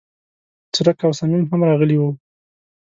څرک او صمیم هم راغلي و.